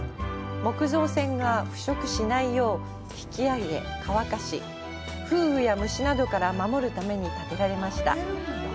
木造船が腐食しないよう、引き上げ、乾かし、風雨や虫などから守るために建てられました。